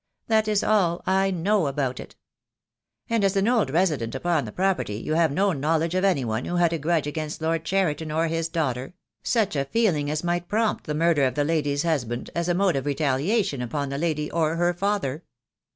That is all I know about it." "And as an old resident upon the property you have no knowledge of any one who had a grudge against Lord Cheriton or his daughter — such a feeling as might prompt the murder of the lady's husband as a mode of retaliation upon the lady or her father?"